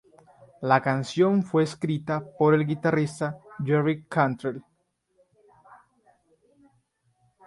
La canción fue escrita por el guitarrista Jerry Cantrell.